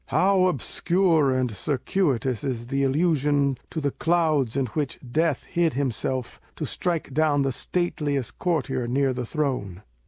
How obscure and circuitous is the allusion to " the clouds in which Death hid himself, to strike down the stateliest courtier near the throne